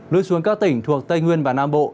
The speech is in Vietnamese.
lưu xuống các tỉnh thuộc tây nguyên và nam bộ